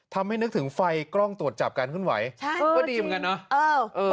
ทำให้นึกถึงไฟกล้องตรวจจับการขึ้นไหวใช่โอ้ดีเหมือนกันน่ะเออ